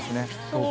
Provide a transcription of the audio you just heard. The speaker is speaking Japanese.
そう。